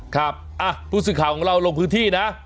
ครับผู้สื่อข่าวของเราลงพื้นที่นะ